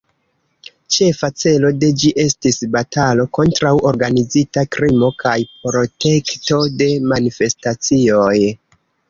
Ĉefa celo de ĝi estis batalo kontraŭ organizita krimo kaj protekto de manifestacioj.